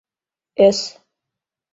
Ӧс!